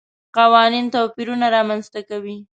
قوانین توپیرونه رامنځته کوي.